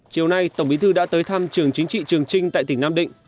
chiều nay tổng bí thư đã tới thăm trường chính trị trường trinh tại tỉnh nam định